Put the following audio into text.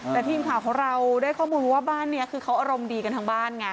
แต่ทีมข่าวของเราได้ข้อมูลว่าบ้านนี้คือเขาอารมณ์ดีกันทั้งบ้านไง